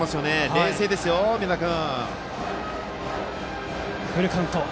冷静ですよ、梅田君。